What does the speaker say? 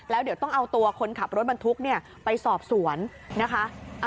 แล้วเดี๋ยวต้องเอาตัวคนขับรถบรรทุกไปสอบสวนนะคะ